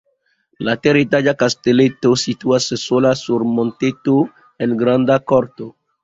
La teretaĝa kasteleto situas sola sur monteto en granda korto.